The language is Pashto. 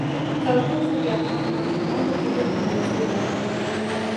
تودوخه د افغان ماشومانو د لوبو موضوع ده.